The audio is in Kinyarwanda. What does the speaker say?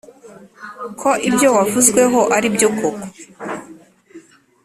ko ibyo wavuzweho aribyo koko"